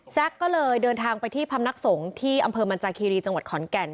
ก็เลยเดินทางไปที่พำนักสงฆ์ที่อำเภอมันจาคีรีจังหวัดขอนแก่น